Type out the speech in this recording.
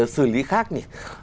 xử lý khác nhỉ